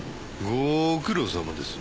ご苦労さまです。